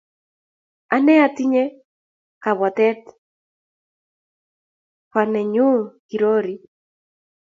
ane atinye kabwatet be nyu, kirori